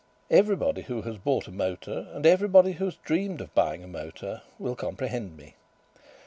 Everybody who has bought a motor, and everybody who has dreamed of buying a motor, will comprehend me.